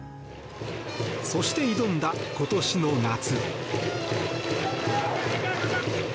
そして挑んだ、今年の夏。